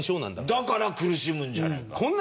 だから苦しむんじゃないか。